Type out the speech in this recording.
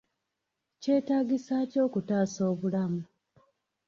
Kyetaagisa ki okutaasa obulamu?